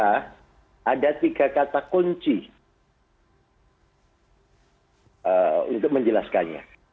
karena ada tiga kata kunci untuk menjelaskannya